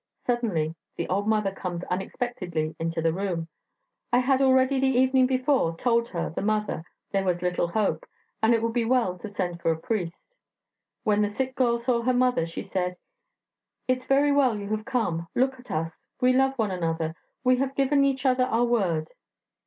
Suddenly the old mother comes unexpectedly into the room. I had already the evening before told her the mother there was little hope, and it would be well to send for a priest. When the sick girl saw her mother she said: 'It's very well you have come; look at us, we love one another we have given each other our word.'